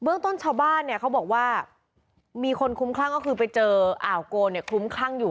เรื่องต้นชาวบ้านเนี่ยเขาบอกว่ามีคนคุ้มคลั่งก็คือไปเจออ่าวโกเนี่ยคลุ้มคลั่งอยู่